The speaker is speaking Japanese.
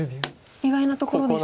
意外なところでしたか。